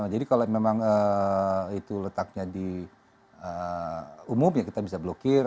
jadi kalau memang itu letaknya di umumnya kita bisa blokir